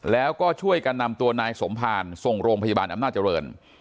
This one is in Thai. แล้วก็ช่วยกันนำตัวนายสมภารส่งโรงพยาบาลอำนาจเจริญ